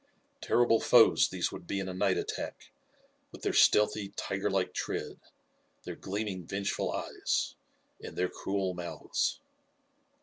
Terrible foes these would be in a night attack, with their stealthy tiger like tread, their gleaming, vengeful eyes, and their cruel mouths.